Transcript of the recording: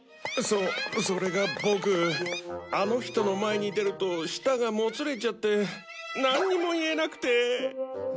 そそれがボクあの人の前に出ると舌がもつれちゃってなんにも言えなくて。